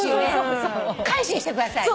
改心してください。